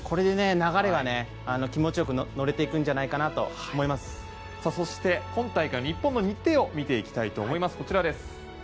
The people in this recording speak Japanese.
流れが気持ちよく乗れていくんじゃないかと今大会、日本の日程を見ていきたいと思います。